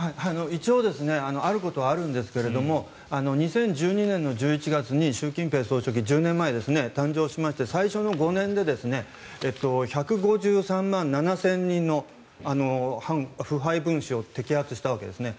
一応あることはあるんですが２０１２年の１１月に習近平総書記１０年前、誕生しまして最初の５年で１５３万７０００人の腐敗分子を摘発したわけですね。